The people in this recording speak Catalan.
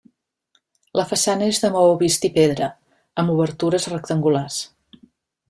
La façana és de maó vist i pedra, amb obertures rectangulars.